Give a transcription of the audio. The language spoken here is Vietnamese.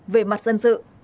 về mặt dân sự